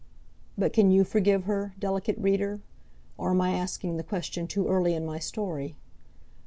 But can you forgive her, delicate reader? Or am I asking the question too early in my story?